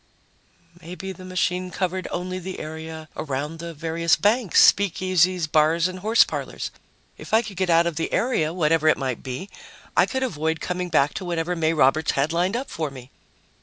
Maybe the machine covered only the area around the various banks, speakeasies, bars and horse parlors. If I could get out of the area, whatever it might be, I could avoid coming back to whatever May Roberts had lined up for me.